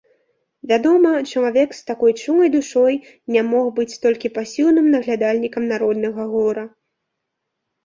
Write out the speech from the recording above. Вядома, чалавек з такой чулай душой не мог быць толькі пасіўным наглядальнікам народнага гора.